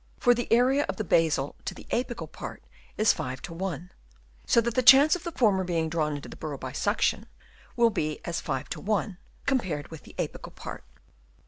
For the area of the basal to the apical part is as 5 to 1, so that the chance of the former being drawn into a burrow by suction, will be as 5 to 1, compared with the apical part.